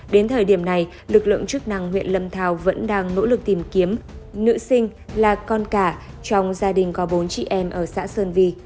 đến thời điểm này lực lượng chức năng huyện lâm thao vẫn đang nỗ lực tìm kiếm nữ sinh là con cả trong gia đình có bốn chị em ở xã sơn vy